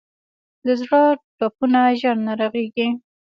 د زړه ټپونه ژر نه رغېږي.